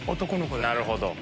なるほど。